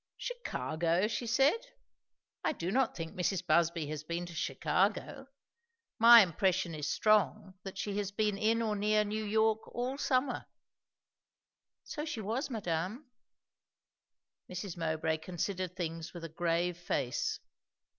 "Chicago?" she said. "I do not think Mrs. Busby has been to Chicago. My impression is strong, that she has been in or near New York, all summer." "So she was, madame." Mrs. Mowbray considered things with a grave face.